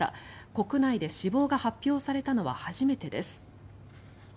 国内で死亡が発表されたのは初めてです。